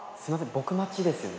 僕待ちですよね？